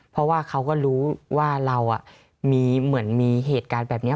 เพราะว่าเขาก็รู้ว่าเรามีเหมือนมีเหตุการณ์แบบนี้